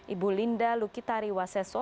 ibu linda lukitari waseso